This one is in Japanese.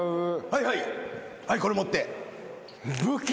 はいはいはいこれ持って。